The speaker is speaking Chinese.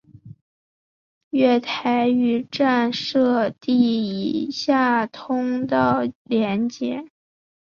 月台与站舍以地下通道连结。